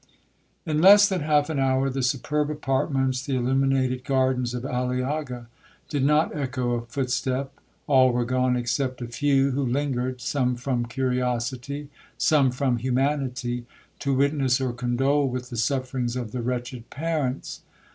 'In less than half an hour, the superb apartments, the illuminated gardens of Aliaga, did not echo a footstep; all were gone, except a few who lingered, some from curiosity, some from humanity, to witness or condole with the sufferings of the wretched parents.